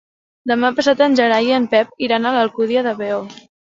Demà passat en Gerai i en Pep iran a l'Alcúdia de Veo.